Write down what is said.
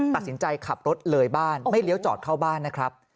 ตัดสินใจขับรถเลยบ้านไม่เลี้ยวจอดเข้าบ้านนะครับ